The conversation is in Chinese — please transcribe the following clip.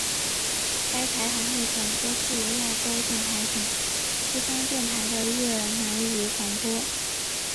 该台还会转播自由亚洲电台等西方电台的越南语广播。